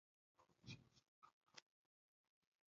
wanajeshi wa serikali Msingi wake ni katika mafundisho juu ya kazi